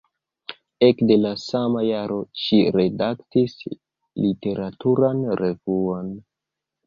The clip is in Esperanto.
Ekde la sama jaro ŝi redaktis literaturan revuon.